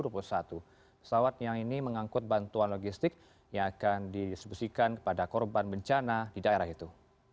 pesawat yang ini mengangkut bantuan logistik yang akan didistribusikan kepada korban bencana di daerah itu